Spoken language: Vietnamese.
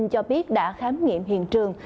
cho biết đã khám nghiệm hiện trường